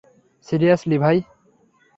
Seriously, ভাই।